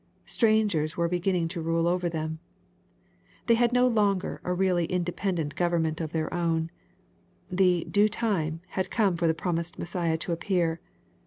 Strangers were beginning to rule over them. They had no longer a really inde pendent government ef their own. The "due time" had come for the promised Messiah to appear.